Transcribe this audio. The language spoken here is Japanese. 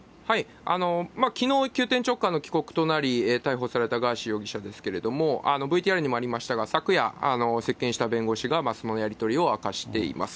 きのう、急転直下の帰国となり、逮捕されたガーシー容疑者ですけれども、ＶＴＲにもありましたが、昨夜、接見した弁護士がそのやり取りを明かしています。